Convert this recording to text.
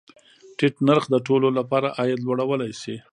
ټیټ نرخ د ټولو له پاره عاید لوړولی شي.